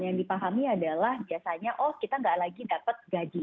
yang dipahami adalah biasanya oh kita nggak lagi dapat gaji